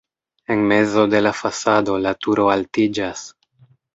En mezo de la fasado la turo altiĝas.